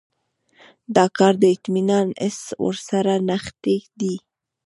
دا کار د اطمینان حس ورسره نغښتی دی.